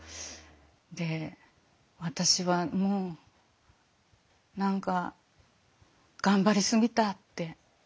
で私はもう何か頑張りすぎたって言ったんですよ。